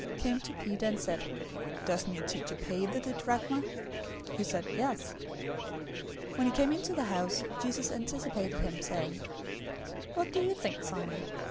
} came to Peter, and said, "Doesn't your teacher pay the didrachma?" 017:025 He said, "Yes." When he came into the house, Jesus anticipated him, saying, "What do you think, Simon?